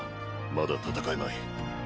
まだ戦えまい。